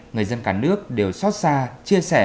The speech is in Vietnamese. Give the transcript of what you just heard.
người dân cả nước đều xót xa chia sẻ